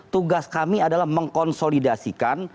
tugas kami adalah mengkonsolidasikan